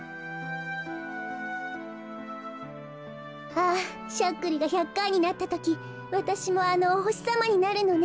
あぁしゃっくりが１００かいになったときわたしもあのおほしさまになるのね。